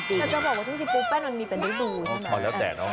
แต่จะบอกว่าจริงปูแป้งมันมีแต่ฤดูใช่ไหม